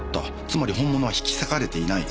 つまり本物は引き裂かれていない。